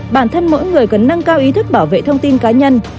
bản thân mỗi người cần nâng cao ý thức bảo vệ thông tin cá nhân